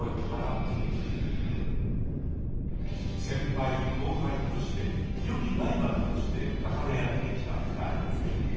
先輩・後輩としてよきライバルとして高め合ってきた２人。